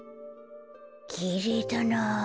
きれいだなあ。